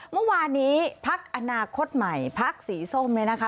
เมื่อวานนี้พักอนาคตใหม่พักสีส้มเนี่ยนะคะ